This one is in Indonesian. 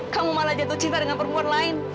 kamu malah jatuh cinta dengan perempuan lain